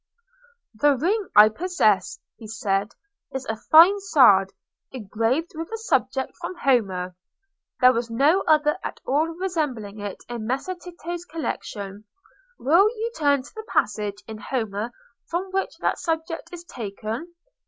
"The ring I possess," he said, "is a fine sard, engraved with a subject from Homer. There was no other at all resembling it in Messer Tito's collection. Will you turn to the passage in Homer from which that subject is taken?